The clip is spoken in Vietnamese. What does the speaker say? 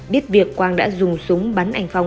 biết việc quang đã dùng súng bắn anh phong